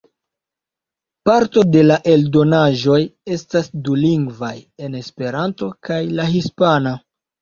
Parto de la eldonaĵoj estas dulingvaj, en Esperanto kaj la hispana.